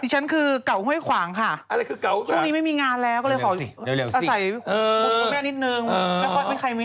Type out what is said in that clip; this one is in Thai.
ฉันคือเก่าเฮ่ยขวางค่ะช่วงนี้ไม่มีงานแล้วก็เลยขออาศัยคุณแม่นิดนึงไม่ค่อยมีใครมี